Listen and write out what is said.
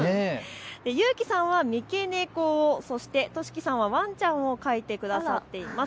ゆうきさんは三毛猫、そしてとしきさんはワンちゃんを描いてくださっています。